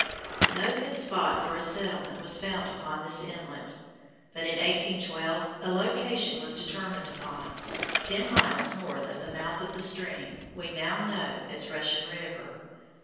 No good spot for a settlement was found upon this inlet, but in 1812 a location was determined upon, ten miles north of the mouth of the stream we now know as Russian River.